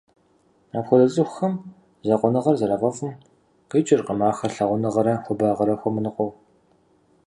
Апхуэдэ цӀыкӀухэм закъуэныгъэр зэрафӀэфӀым къикӀыркъым ахэр лъагъуныгъэрэ хуабагъэрэ хуэмыныкъуэу.